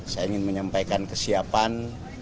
saya ingin menyampaikan kesiapan